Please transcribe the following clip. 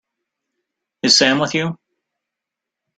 Is Sam with you?